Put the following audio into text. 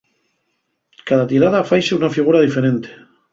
Cada tirada, faise un figura diferente.